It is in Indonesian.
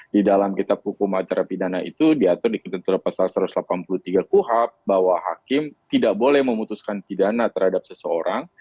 di dalam kitab hukum acara pidana itu diatur di ketentuan pasal satu ratus delapan puluh tiga kuhab bahwa hakim tidak boleh memutuskan pidana terhadap seseorang